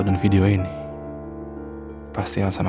dari masa kalian selalu sama